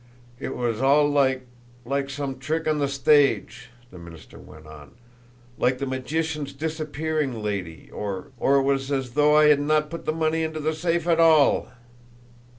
"It was all like like some trick on the stage," the minister went on, "like the magician's disappearing lady, or or ! It was as though I had not put the money into the safe at all!"